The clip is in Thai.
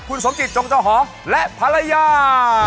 คุณโสงจิตจงจ้อหอและภาระยา